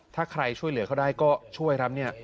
ถ้าใครช่วยเหลือเขาได้ก็ช่วย